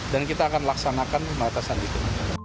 dan kita akan melaksanakan pembatasan itu